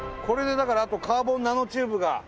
これでだからあとカーボンナノチューブが。